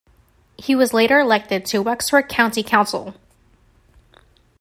He was later elected to Wexford County Council.